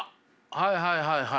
はいはいはいはい。